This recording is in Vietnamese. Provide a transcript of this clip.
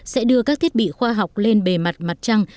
sẽ đưa các thiết bị khoa học lên bề mặt mặt trăng